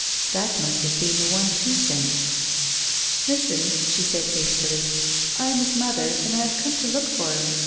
That must have been the one she sent. " Listen," she said, liastily. " I am his motiier, and I have come to look for him.